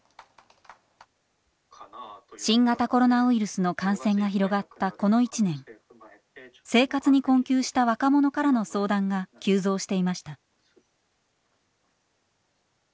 新型コロナウイルスの感染が広がったこの１年生活に困窮した若者からの相談が急増していました。